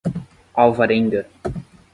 Alvarenga